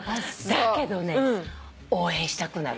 だけどね応援したくなる。